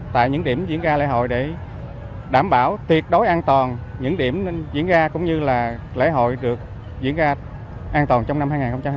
tại những điểm diễn ra lễ hội để đảm bảo tuyệt đối an toàn những điểm diễn ra cũng như là lễ hội được diễn ra an toàn trong năm hai nghìn hai mươi ba